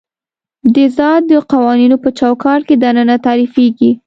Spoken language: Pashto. د ذات د قوانینو په چوکاټ کې دننه تعریفېږي.